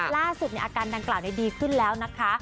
ล่าสุดอาการดังกล่าวดีขึ้นแล้วนะคะ